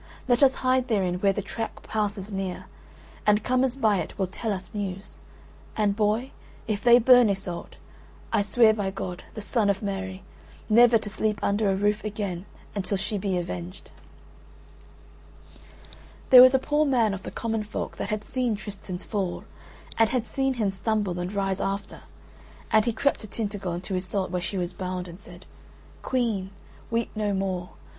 Let us hide therein where the track passes near, and comers by it will tell us news; and, boy, if they burn Iseult, I swear by God, the Son of Mary, never to sleep under a roof again until she be avenged." There was a poor man of the common folk that had seen Tristan's fall, and had seen him stumble and rise after, and he crept to Tintagel and to Iseult where she was bound, and said: "Queen, weep no more.